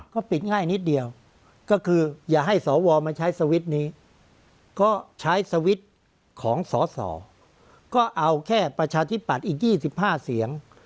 ก็ปิดง่ายนิดเดียวก็คือยากให้สวมาใช้สวนี้ก็ใช้สวของสซก็เอาแค่ประชาธิบัติอีก๒๕เสียง